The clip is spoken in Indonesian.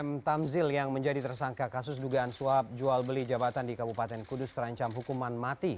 m tamzil yang menjadi tersangka kasus dugaan suap jual beli jabatan di kabupaten kudus terancam hukuman mati